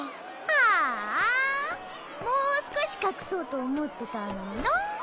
あぁあもう少し隠そうと思ってたのになぁ。